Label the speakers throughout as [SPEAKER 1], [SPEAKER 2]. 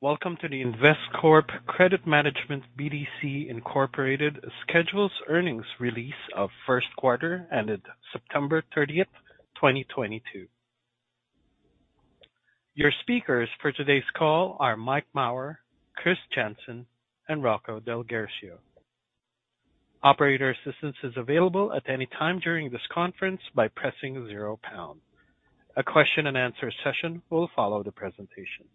[SPEAKER 1] Welcome to the Investcorp Credit Management BDC, Inc.'s scheduled earnings release for the first quarter ended September 30, 2022. Your speakers for today's call are Mike Mauer, Chris Jansen, and Rocco DelGuercio. Operator assistance is available at any time during this conference by pressing zero pound. A question and answer session will follow the presentation.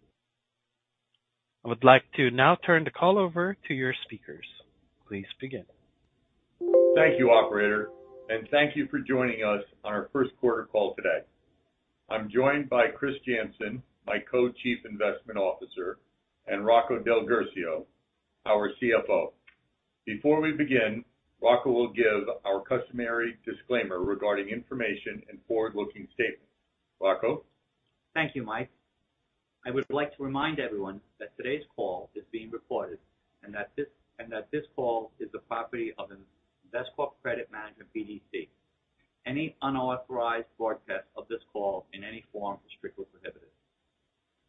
[SPEAKER 1] I would like to now turn the call over to your speakers. Please begin.
[SPEAKER 2] Thank you, operator, and thank you for joining us on our first quarter call today. I'm joined by Chris Jansen, my Co-Chief Investment Officer, and Rocco DelGuercio, our CFO. Before we begin, Rocco will give our customary disclaimer regarding information and forward-looking statements. Rocco.
[SPEAKER 3] Thank you, Mike. I would like to remind everyone that today's call is being recorded and that this call is the property of Investcorp Credit Management BDC. Any unauthorized broadcast of this call in any form is strictly prohibited.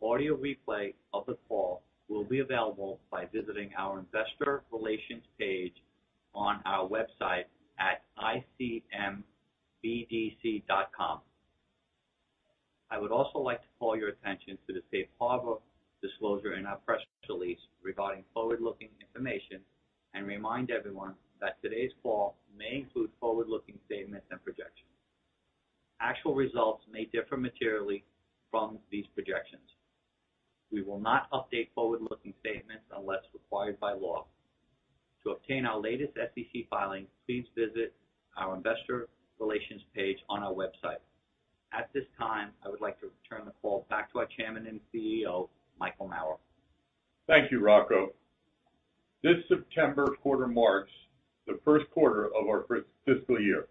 [SPEAKER 3] Audio replay of the call will be available by visiting our investor relations page on our website at icmbdc.com. I would also like to call your attention to the safe harbor disclosure in our press release regarding forward-looking information and remind everyone that today's call may include forward-looking statements and projections. Actual results may differ materially from these projections. We will not update forward-looking statements unless required by law. To obtain our latest SEC filing, please visit our investor relations page on our website. At this time, I would like to turn the call back to our Chairman and CEO, Michael Mauer.
[SPEAKER 2] Thank you, Rocco. This September quarter marks the first quarter of our first fiscal year.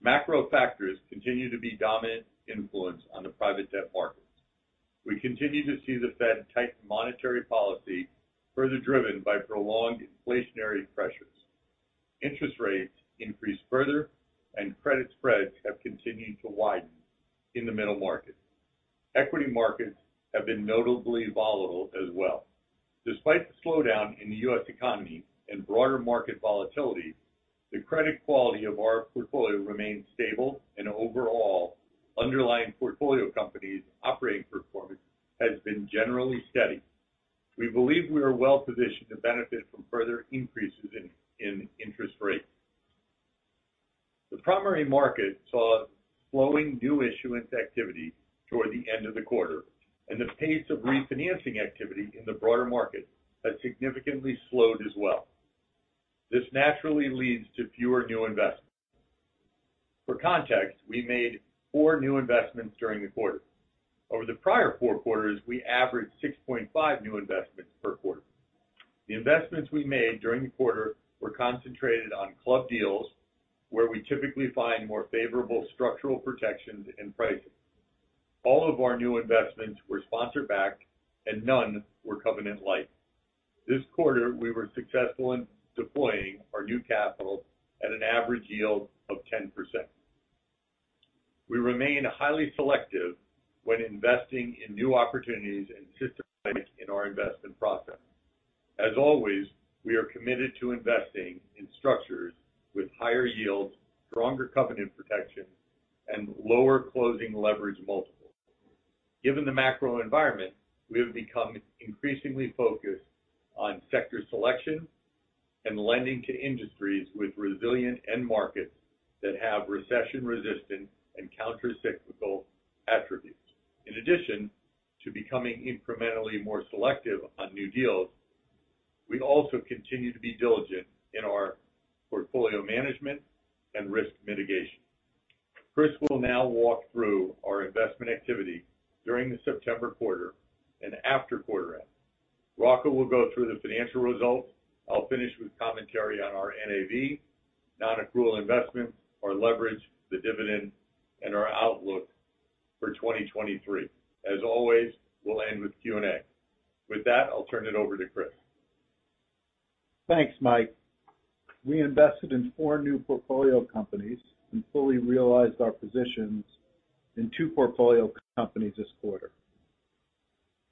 [SPEAKER 2] Macro factors continue to be dominant influence on the private debt markets. We continue to see the Fed tighten monetary policy further driven by prolonged inflationary pressures. Interest rates increased further and credit spreads have continued to widen in the middle market. Equity markets have been notably volatile as well. Despite the slowdown in the U.S. economy and broader market volatility, the credit quality of our portfolio remains stable and overall underlying portfolio companies' operating performance has been generally steady. We believe we are well-positioned to benefit from further increases in interest rates. The primary market saw slowing new issuance activity toward the end of the quarter, and the pace of refinancing activity in the broader market has significantly slowed as well. This naturally leads to fewer new investments. For context, we made four new investments during the quarter. Over the prior four quarters, we averaged 6.5 new investments per quarter. The investments we made during the quarter were concentrated on club deals, where we typically find more favorable structural protections and pricing. All of our new investments were sponsor-backed, and none were covenant light. This quarter, we were successful in deploying our new capital at an average yield of 10%. We remain highly selective when investing in new opportunities and disciplined in our investment process. As always, we are committed to investing in structures with higher yields, stronger covenant protection, and lower closing leverage multiples. Given the macro environment, we have become increasingly focused on sector selection and lending to industries with resilient end markets that have recession-resistant and countercyclical attributes. In addition to becoming incrementally more selective on new deals, we also continue to be diligent in our portfolio management and risk mitigation. Chris will now walk through our investment activity during the September quarter and after quarter end. Rocco will go through the financial results. I'll finish with commentary on our NAV, non-accrual investment, our leverage, the dividend, and our outlook for 2023. As always, we'll end with Q&A. With that, I'll turn it over to Chris.
[SPEAKER 4] Thanks, Mike. We invested in four new portfolio companies and fully realized our positions in two portfolio companies this quarter.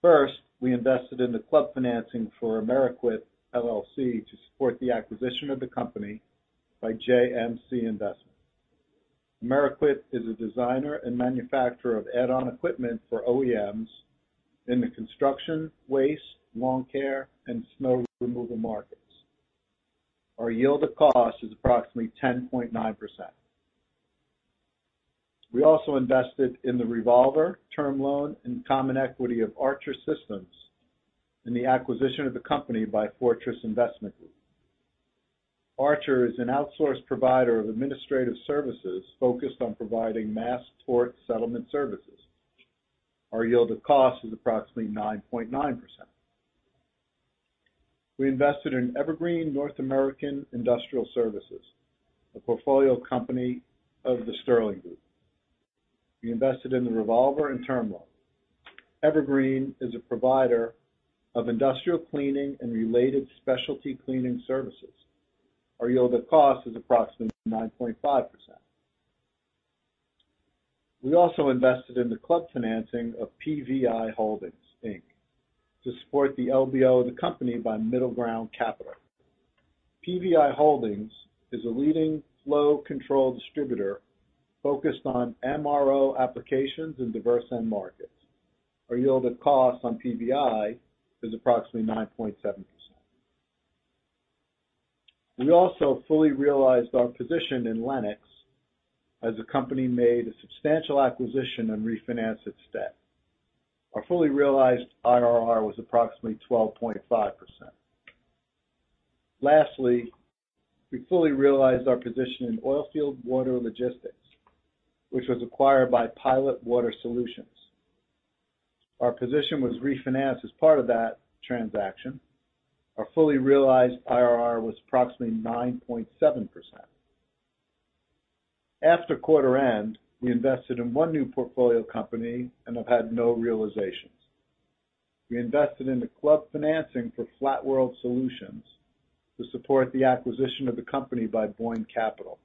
[SPEAKER 4] First, we invested in the club financing for Amerequip LLC to support the acquisition of the company by JMC Investment LLC. Amerequip is a designer and manufacturer of add-on equipment for OEMs in the construction, waste, lawn care, and snow removal markets. Our yield of cost is approximately 10.9%. We also invested in the revolver term loan and common equity of Archer Systems in the acquisition of the company by Fortress Investment Group. Archer is an outsourced provider of administrative services focused on providing mass tort settlement services. Our yield of cost is approximately 9.9%. We invested in Evergreen North America Industrial Services, a portfolio company of The Sterling Group. We invested in the revolver and term loan. Evergreen is a provider of industrial cleaning and related specialty cleaning services. Our yield of cost is approximately 9.5%. We also invested in the club financing of PVI Holdings, Inc. to support the LBO of the company by MiddleGround Capital. PVI Holdings is a leading flow control distributor focused on MRO applications in diverse end markets. Our yield of cost on PVI is approximately 9.7%. We also fully realized our position in Lenox as the company made a substantial acquisition and refinanced its debt. Our fully realized IRR was approximately 12.5%. Lastly, we fully realized our position in Oilfield Water Logistics, which was acquired by Pilot Water Solutions. Our position was refinanced as part of that transaction. Our fully realized IRR was approximately 9.7%. After quarter end, we invested in one new portfolio company and have had no realizations. We invested in the club financing for Flatworld Solutions to support the acquisition of the company by Boyne Capital.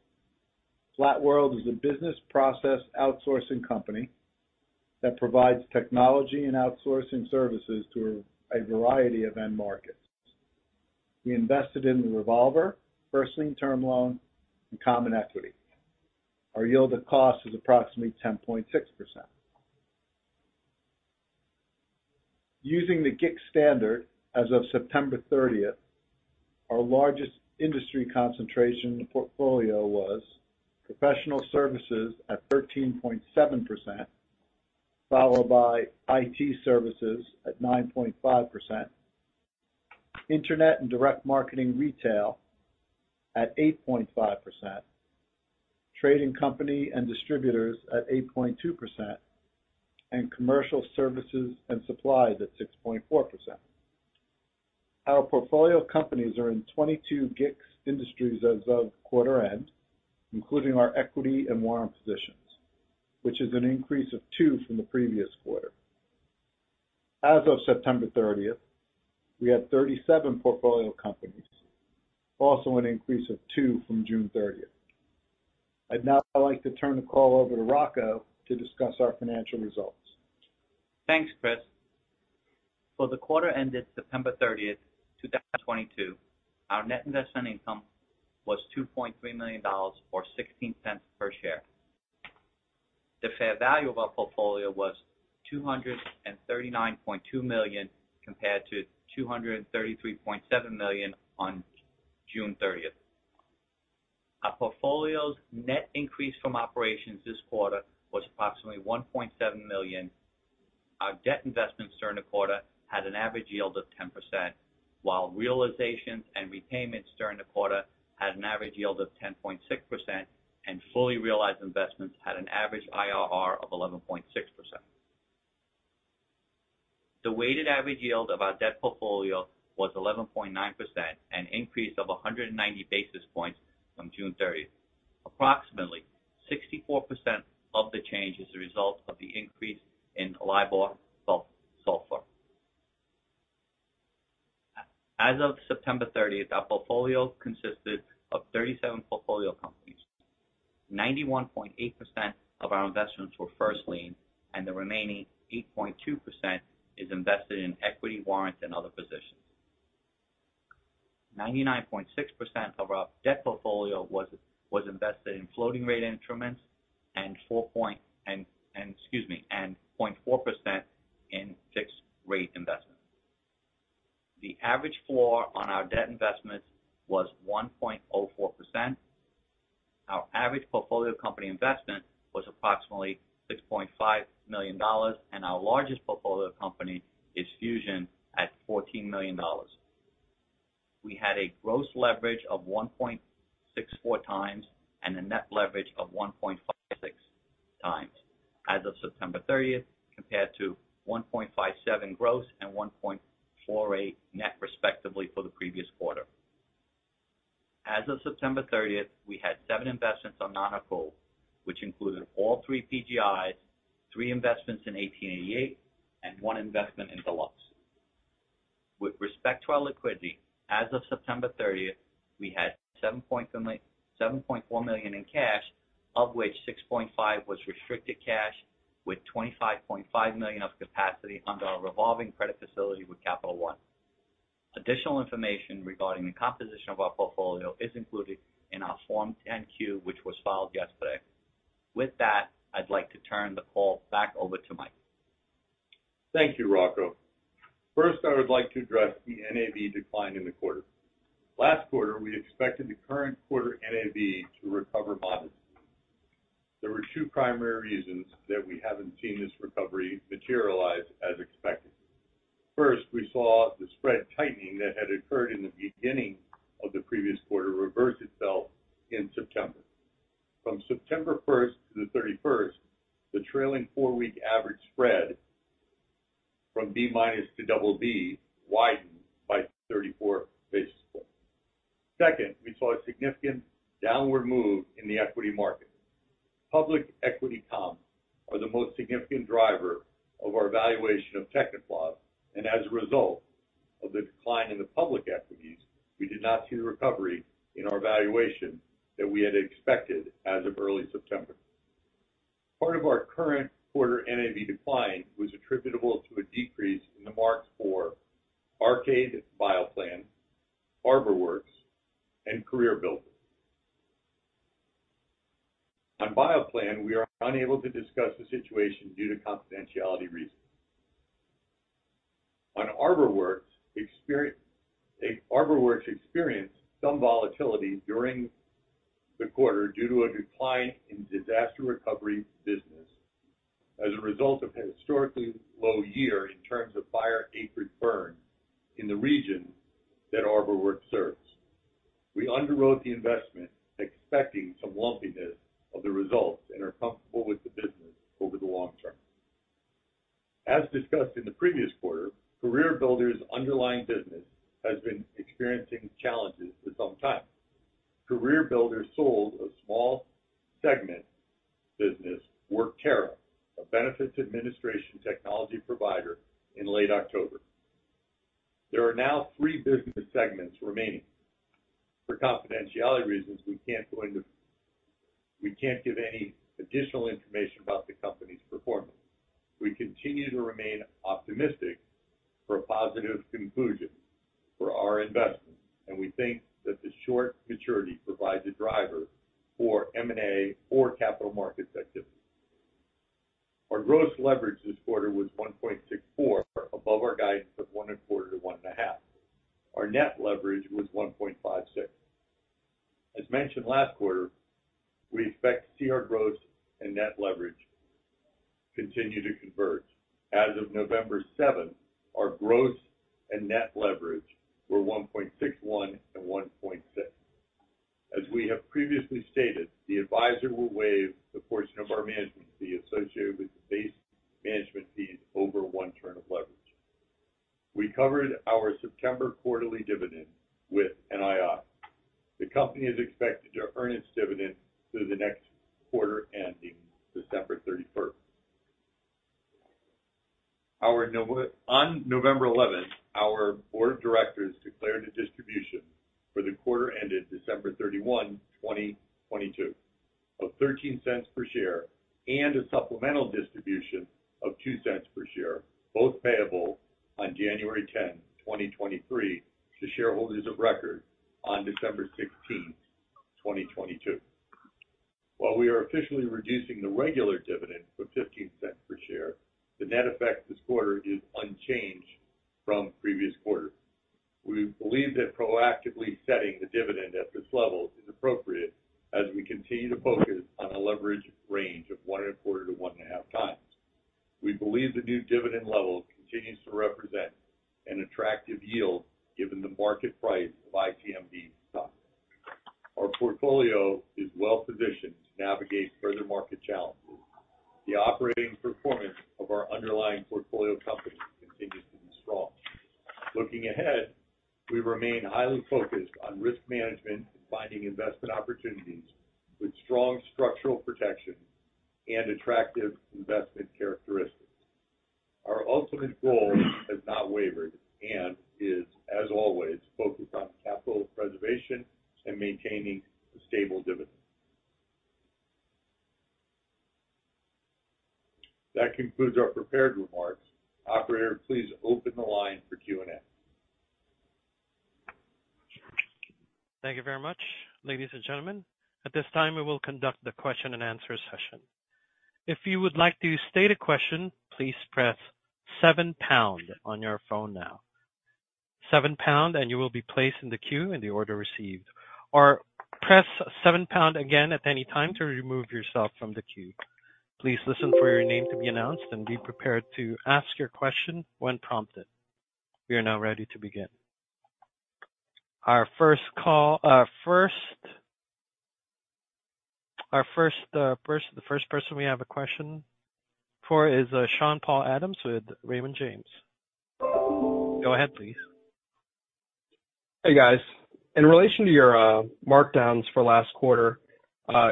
[SPEAKER 4] Flatworld is a business process outsourcing company that provides technology and outsourcing services to a variety of end markets. We invested in the revolver, first lien term loan, and common equity. Our yield of cost is approximately 10.6%. Using the GICS standard, as of September 30th, our largest industry concentration in the portfolio was professional services at 13.7%, followed by IT services at 9.5%, internet and direct marketing retail at 8.5%, trading company and distributors at 8.2%, and commercial services and supplies at 6.4%. Our portfolio companies are in 22 GICS industries as of quarter end, including our equity and warrant positions, which is an increase of two from the previous quarter. As of September 30th, we had 37 portfolio companies, also an increase of two from June 30. I'd now like to turn the call over to Rocco to discuss our financial results.
[SPEAKER 3] Thanks, Chris. For the quarter ended September 30th, 2022, our net investment income was $2.3 million, or $0.16 per share. The fair value of our portfolio was $239.2 million, compared to $233.7 million on June 30th. Our portfolio's net increase from operations this quarter was approximately $1.7 million. Our debt investments during the quarter had an average yield of 10%, while realizations and repayments during the quarter had an average yield of 10.6%, and fully realized investments had an average IRR of 11.6%. The weighted average yield of our debt portfolio was 11.9%, an increase of 190 basis points from June 30. Approximately 64% of the change is a result of the increase in LIBOR/SOFR. As of September 30th, our portfolio consisted of 37 portfolio companies. 91.8% of our investments were first lien, and the remaining 8.2% is invested in equity warrants and other positions. 99.6% of our debt portfolio was invested in floating rate instruments and 0.4% in fixed rate investments. The average floor on our debt investments was 1.04%. Our average portfolio company investment was approximately $6.5 million, and our largest portfolio company is Fusion at $14 million. We had a gross leverage of 1.64x and a net leverage of 1.56x as of September 30th, compared to 1.57 gross and 1.48 net respectively for the previous quarter. As of September 30th, we had seven investments on non-accrual, which included all three PGis, three investments in 1888, and one investment in Deluxe. With respect to our liquidity, as of September 30th, we had $7.4 million in cash, of which $6.5 million was restricted cash, with $25.5 million of capacity under our revolving credit facility with Capital One. Additional information regarding the composition of our portfolio is included in our Form 10-Q, which was filed yesterday. With that, I'd like to turn the call back over to Mike.
[SPEAKER 2] Thank you, Rocco. First, I would like to address the NAV decline in the quarter. Last quarter, we expected the current quarter NAV to recover modestly. There were two primary reasons that we haven't seen this recovery materialize as expected. First, we saw the spread tightening that had occurred in the beginning of the previous quarter reverse itself in September. From September 1st to the 31st, the trailing four-week average spread from B- to double-B widened by 34 basis points. Second, we saw a significant downward move in the equity market. Public equity comps are the most significant driver of our valuation of Techniplas, and as a result of the decline in the public equities, we did not see the recovery in our valuation that we had expected as of early September. Part of our current quarter NAV decline was attributable to a decrease in the marks for Arcade, Bioplan, ArborWorks, and CareerBuilder. On Bioplan, we are unable to discuss the situation due to confidentiality reasons. On ArborWorks experienced some volatility during the quarter due to a decline in disaster recovery business as a result of historically low year in terms of fire acreage burn in the region that ArborWorks serves. We underwrote the investment expecting some lumpiness of the results and are comfortable with the business over the long term. As discussed in the previous quarter, CareerBuilder's underlying business has been experiencing challenges for some time. CareerBuilder sold a small segment business, Workterra, a benefits administration technology provider, in late October. There are now three business segments remaining. For confidentiality reasons, we can't give any additional information about the company's performance. We continue to remain optimistic for a positive conclusion for our investment, and we think that the short maturity provides a driver for M&A or capital markets activity. Our gross leverage this quarter was 1.64, above our guidance of 1.25-1.5. Our net leverage was 1.56. As mentioned last quarter, we expect to see our gross and net leverage continue to converge. As of November 7th, our gross and net leverage were 1.61 and 1.6. As we have previously stated, the advisor will waive a portion of our management regular dividend from $0.15 per share, the net effect this quarter is unchanged from previous quarters. We believe that proactively setting the dividend at this level is appropriate as we continue to focus on a leverage range of 1.25-1.5x. We believe the new dividend level continues to represent an attractive yield given the market price of ICMB stock. Our portfolio is well-positioned to navigate further market challenges. The operating performance of our underlying portfolio companies continues to be strong. Looking ahead, we remain highly focused on risk management and finding investment opportunities with strong structural protection and attractive investment characteristics. Our ultimate goal has not wavered and is, as always, focused on capital preservation and maintaining a stable dividend. That concludes our prepared remarks. Operator, please open the line for Q&A.
[SPEAKER 1] Thank you very much, ladies and gentlemen. At this time, we will conduct the question-and-answer session. If you would like to state a question, please press seven pound on your phone now. Seven pound, and you will be placed in the queue in the order received. Or press seven pound again at any time to remove yourself from the queue. Please listen for your name to be announced, and be prepared to ask your question when prompted. We are now ready to begin. Our first person we have a question for is Sean-Paul Adams with Raymond James. Go ahead, please.
[SPEAKER 5] Hey, guys. In relation to your markdowns for last quarter,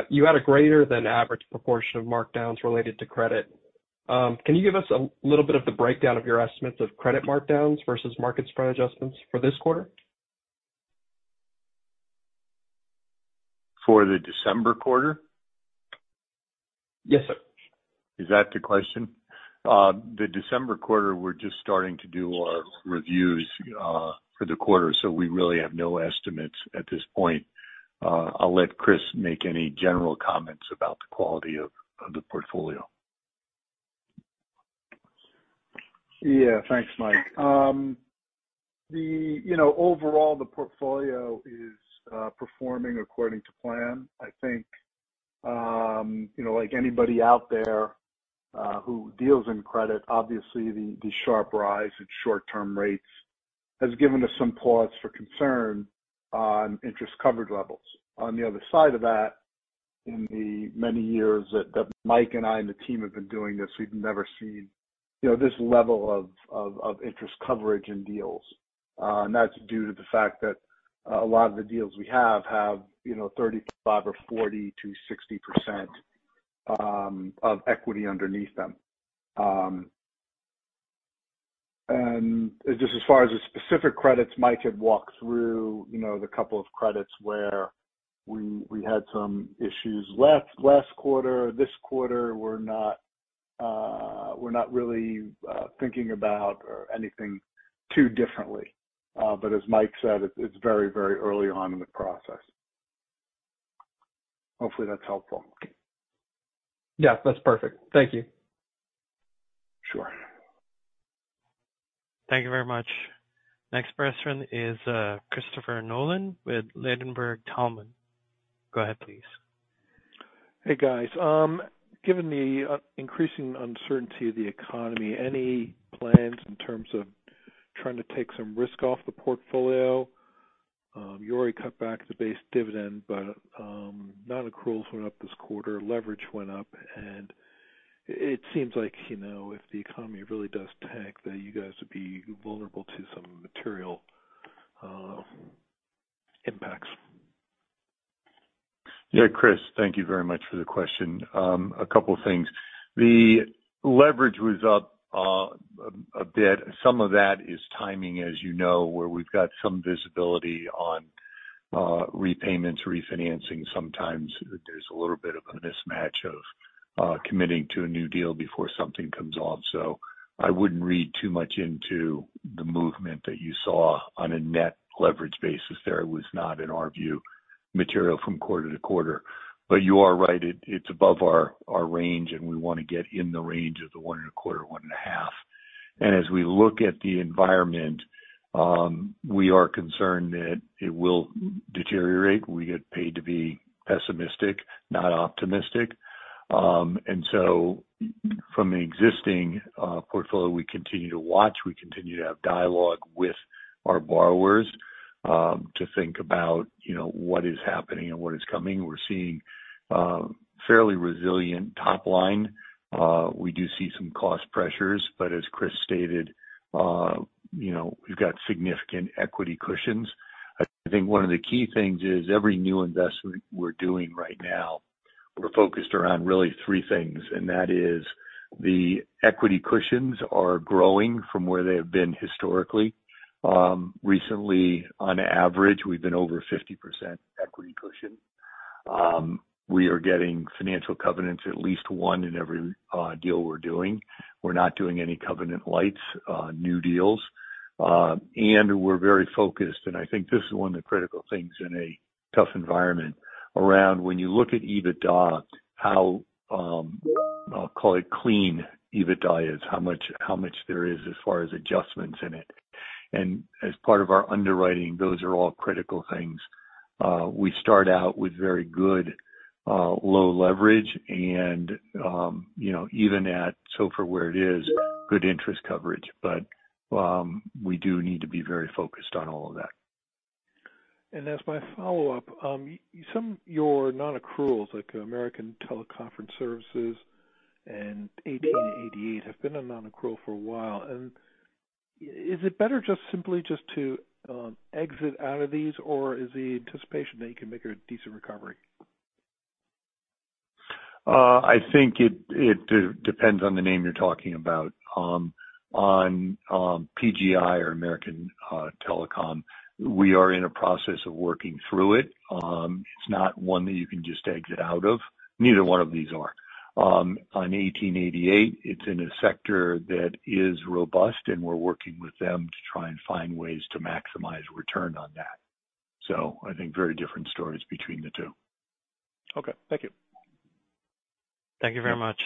[SPEAKER 5] you had a greater than average proportion of markdowns related to credit. Can you give us a little bit of the breakdown of your estimates of credit markdowns versus market spread adjustments for this quarter?
[SPEAKER 2] For the December quarter?
[SPEAKER 5] Yes, sir.
[SPEAKER 2] Is that the question? The December quarter, we're just starting to do our reviews for the quarter, so we really have no estimates at this point. I'll let Chris make any general comments about the quality of the portfolio.
[SPEAKER 4] Yeah. Thanks, Mike. You know, overall, the portfolio is performing according to plan. I think, you know, like anybody out there who deals in credit, obviously the sharp rise in short-term rates has given us some pause for concern on interest coverage levels. On the other side of that, in the many years that Mike and I and the team have been doing this, we've never seen, you know, this level of interest coverage in deals. That's due to the fact that a lot of the deals we have, you know, 35% or 40%-60% of equity underneath them. Just as far as the specific credits, Mike had walked through, you know, the couple of credits where we had some issues last quarter. This quarter we're not really thinking about or anything too differently. As Mike said, it's very early on in the process. Hopefully that's helpful.
[SPEAKER 5] Yeah, that's perfect. Thank you.
[SPEAKER 4] Sure.
[SPEAKER 1] Thank you very much. Next question is, Christopher Nolan with Ladenburg Thalmann. Go ahead, please.
[SPEAKER 6] Hey, guys. Given the increasing uncertainty of the economy, any plans in terms of trying to take some risk off the portfolio? You already cut back the base dividend, but non-accruals went up this quarter, leverage went up. It seems like, you know, if the economy really does tank, that you guys would be vulnerable to some material impacts.
[SPEAKER 2] Yeah, Chris, thank you very much for the question. A couple things. The leverage was up a bit. Some of that is timing, as you know, where we've got some visibility on repayments, refinancing. Sometimes there's a little bit of a mismatch of committing to a new deal before something comes off. I wouldn't read too much into the movement that you saw on a net leverage basis there. It was not, in our view, material from quarter to quarter. You are right. It's above our range, and we want to get in the range of 1.25-1.5. As we look at the environment, we are concerned that it will deteriorate. We get paid to be pessimistic, not optimistic. From the existing portfolio, we continue to watch. We continue to have dialogue with our borrowers to think about, you know, what is happening and what is coming. We're seeing fairly resilient top line. We do see some cost pressures, but as Chris stated, you know, we've got significant equity cushions. I think one of the key things is every new investment we're doing right now, we're focused around really three things, and that is the equity cushions are growing from where they have been historically. Recently, on average, we've been over 50% equity cushion. We are getting financial covenants at least one in every deal we're doing. We're not doing any covenant-lite on new deals. We're very focused, and I think this is one of the critical things in a tough environment around when you look at EBITDA, how I'll call it clean EBITDA is. How much there is as far as adjustments in it. As part of our underwriting, those are all critical things. We start out with very good low leverage and, you know, even at SOFR where it is, good interest coverage. We do need to be very focused on all of that.
[SPEAKER 6] As my follow-up, some of your non-accruals, like American Teleconferencing Services and 1888 have been a non-accrual for a while. Is it better just simply to exit out of these, or is the anticipation that you can make a decent recovery?
[SPEAKER 2] I think it depends on the name you're talking about. On PGi or American Telecom, we are in a process of working through it. It's not one that you can just exit out of. Neither one of these are. On 1888, it's in a sector that is robust, and we're working with them to try and find ways to maximize return on that. I think very different stories between the two.
[SPEAKER 6] Okay. Thank you.
[SPEAKER 1] Thank you very much.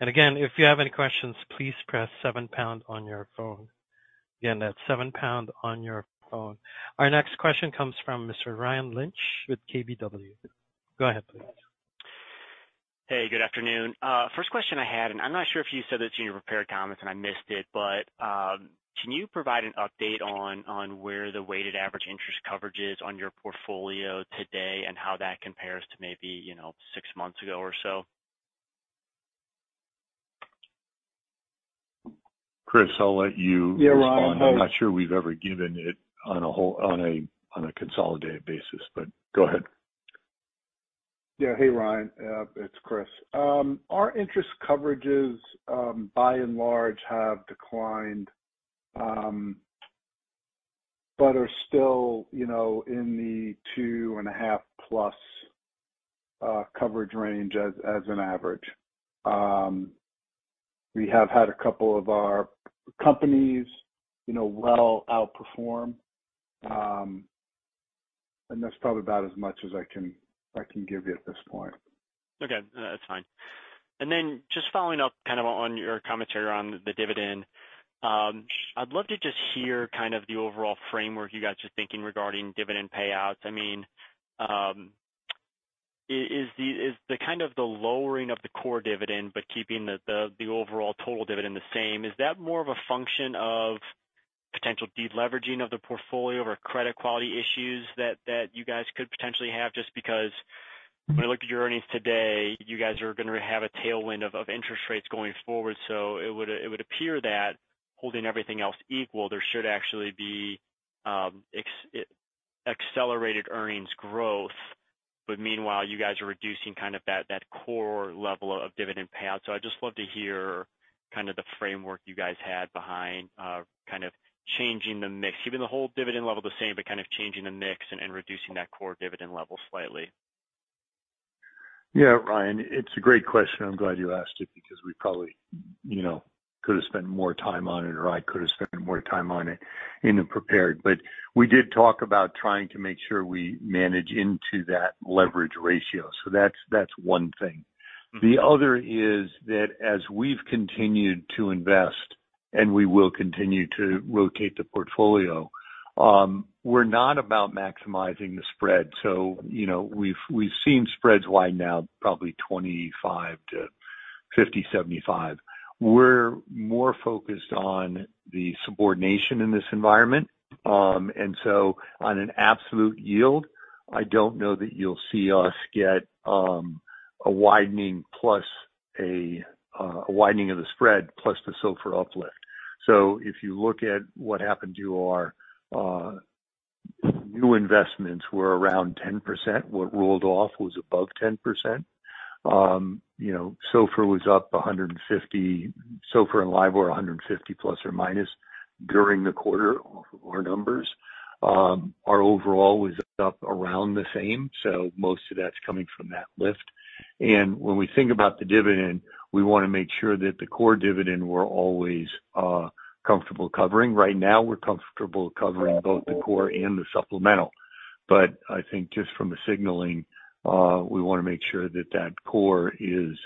[SPEAKER 1] Again, if you have any questions, please press seven pound on your phone. Again, that's seven pound on your phone. Our next question comes from Mr. Ryan Lynch with KBW. Go ahead, please.
[SPEAKER 7] Hey, good afternoon. First question I had, and I'm not sure if you said this in your prepared comments and I missed it, but can you provide an update on where the weighted average interest coverage is on your portfolio today and how that compares to maybe, you know, six months ago or so?
[SPEAKER 2] Chris, I'll let you respond.
[SPEAKER 4] Yeah, Ryan, I'll-
[SPEAKER 2] I'm not sure we've ever given it on a consolidated basis, but go ahead.
[SPEAKER 4] Yeah. Hey, Ryan. It's Chris. Our interest coverages, by and large, have declined, but are still, you know, in the 2.5+ coverage range as an average. We have had a couple of our companies, you know, well outperform. That's probably about as much as I can give you at this point.
[SPEAKER 7] Okay, that's fine. Then just following up kind of on your commentary on the dividend, I'd love to just hear kind of the overall framework you guys are thinking regarding dividend payouts. I mean, is the kind of the lowering of the core dividend, but keeping the overall total dividend the same, is that more of a function of potential deleveraging of the portfolio or credit quality issues that you guys could potentially have? Just because when I look at your earnings today, you guys are gonna have a tailwind of interest rates going forward. It would appear that holding everything else equal, there should actually be accelerated earnings growth, but meanwhile, you guys are reducing kind of that core level of dividend payout. I'd just love to hear kind of the framework you guys had behind kind of changing the mix, keeping the whole dividend level the same, but kind of changing the mix and reducing that core dividend level slightly.
[SPEAKER 2] Yeah. Ryan, it's a great question. I'm glad you asked it because we probably, you know, could have spent more time on it, or I could have spent more time on it in the prepared. We did talk about trying to make sure we manage into that leverage ratio. That's one thing. The other is that as we've continued to invest, and we will continue to rotate the portfolio, we're not about maximizing the spread. You know, we've seen spreads widen now probably 25 to 50, 75. We're more focused on the subordination in this environment. On an absolute yield, I don't know that you'll see us get a widening plus a widening of the spread plus the SOFR uplift. If you look at what happened to our new investments were around 10%. What rolled off was above 10%. You know, SOFR and LIBOR 150 plus or minus during the quarter of our numbers. Our overall was up around the same, so most of that's coming from that lift. When we think about the dividend, we wanna make sure that the core dividend we're always comfortable covering. Right now, we're comfortable covering both the core and the supplemental. I think just from a signaling, we wanna make sure that that core is,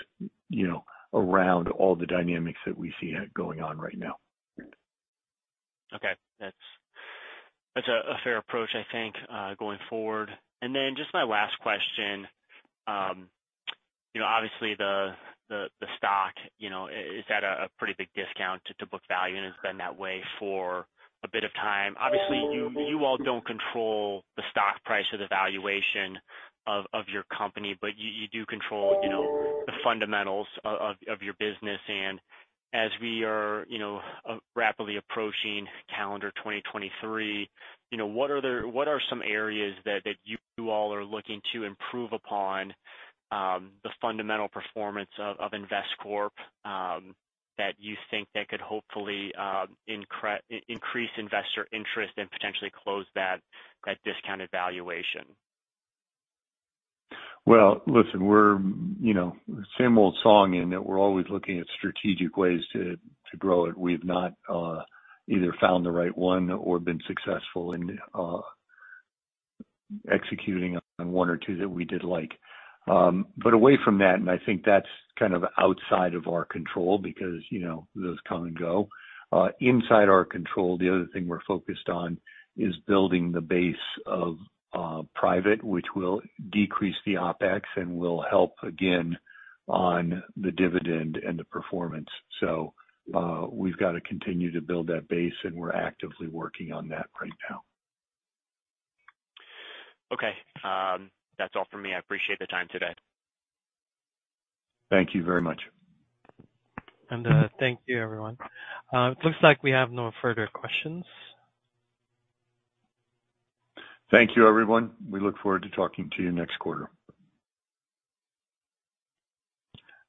[SPEAKER 2] you know, around all the dynamics that we see going on right now.
[SPEAKER 7] Okay. That's a fair approach, I think, going forward. Then just my last question, you know, obviously the stock, you know, is at a pretty big discount to book value, and it's been that way for a bit of time. Obviously, you all don't control the stock price or the valuation of your company, but you do control, you know, the fundamentals of your business. As we are, you know, rapidly approaching calendar 2023, you know, what are some areas that you all are looking to improve upon the fundamental performance of Investcorp that you think that could hopefully increase investor interest and potentially close that discounted valuation?
[SPEAKER 2] Well, listen, we're, you know, same old song in that we're always looking at strategic ways to grow it. We've not either found the right one or been successful in executing on one or two that we did like. Away from that, and I think that's kind of outside of our control because, you know, those come and go. Inside our control, the other thing we're focused on is building the base of private, which will decrease the OpEx and will help again on the dividend and the performance. We've got to continue to build that base, and we're actively working on that right now.
[SPEAKER 7] Okay. That's all for me. I appreciate the time today.
[SPEAKER 2] Thank you very much.
[SPEAKER 1] Thank you, everyone. It looks like we have no further questions.
[SPEAKER 2] Thank you, everyone. We look forward to talking to you next quarter.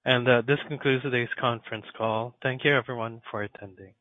[SPEAKER 1] This concludes today's conference call. Thank you, everyone, for attending.